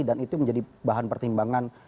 dan itu menjadi bahan pertimbangan